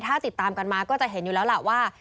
ถ้าติดตามกันมาก็จะเห็นอยู่แล้วล่ะว่า